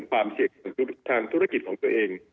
ความเสี่ยงของทางธุรกิจของตัวเอง